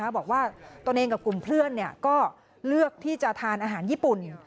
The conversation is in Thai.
บอกว่าตัวเองกับกลุ่มเพื่อนก็เลือกที่จะทานอาหารญี่ปุ่น